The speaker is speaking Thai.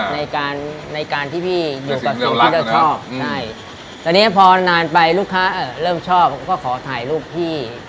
ในการในการที่พี่อยู่กับสิ่งที่เราชอบใช่ตอนนี้พอนานไปลูกค้าเริ่มชอบก็ขอถ่ายรูปพี่